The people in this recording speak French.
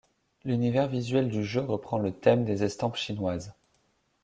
L'univers visuel du jeu reprend le thème des estampes chinoises.